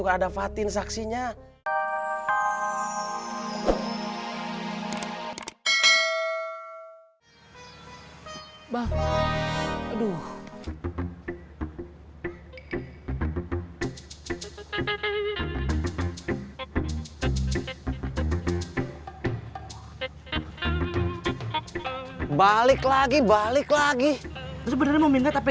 kepok kamu berdua